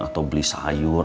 atau beli sayur